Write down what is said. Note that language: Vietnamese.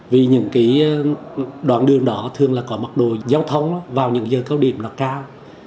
vì những cái đoạn đường đó thường là có mặt độ giao thông vào những giờ cao điểm nó cao